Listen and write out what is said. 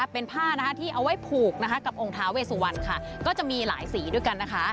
เป็นผ้าที่เอาไว้ผูกนะคะกับองค์ท้าเวสุวรรณค่ะก็จะมีหลายสีด้วยกันนะคะ